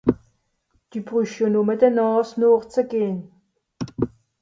Dü brüsch jo nùmme de Nààs nooch ze gehn.